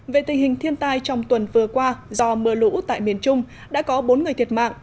về tình hình thiên tai trong tuần vừa qua do mưa lũ tại miền trung đã có bốn người thiệt mạng